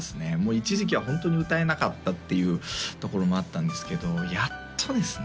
一時期はホントに歌えなかったっていうところもあったんですけどやっとですね